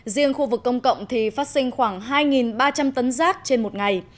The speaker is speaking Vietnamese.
riêng khu vực công cộng thì phát sinh khoảng hai ba trăm linh tấn rác trên một ngày